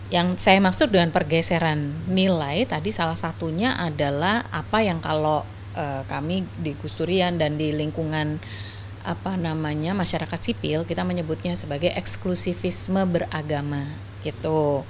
yang saya maksud dengan pergeseran nilai tadi salah satunya adalah apa yang kalau kami di gus durian dan di lingkungan apa namanya masyarakat sipil kita menyebutnya sebagai eksklusifisme beragama gitu